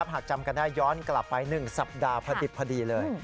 หากจำกันได้ย้อนกลับไป๑สัปดาห์พอดิบพอดีเลย